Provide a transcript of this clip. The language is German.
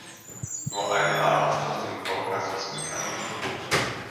Nur eine Art ist aus dem Kaukasus bekannt.